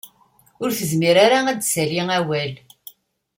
Ur tezmir ara ad d-tessali awal.